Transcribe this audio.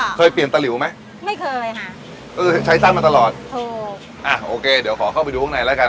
เคยเปลี่ยนตะหลิวไหมไม่เคยค่ะเออใช้สั้นมาตลอดถูกอ่ะโอเคเดี๋ยวขอเข้าไปดูข้างในแล้วกัน